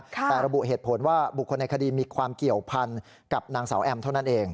แต่ระบุเหตุผลว่าบุคคลในคดีมีความเกี่ยวพันกับนางสาวแอมเท่านั้นเอง